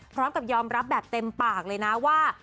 พร้อมกับยอมรับแบบเต็มปากเลยนะว่า